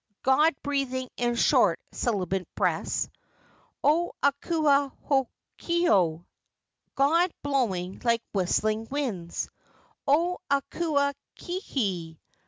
[god breathing in short, sibilant breaths O Akua hokio! [god blowing like whistling winds] O Akua kiei!